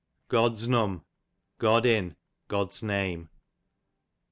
Godsnum, God in, God's name.